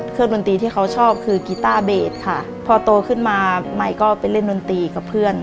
ดนตรีที่เขาชอบคือกีต้าเบสค่ะพอโตขึ้นมาใหม่ก็ไปเล่นดนตรีกับเพื่อน